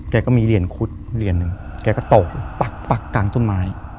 แกก็ตกตักปักกลางต้นไม้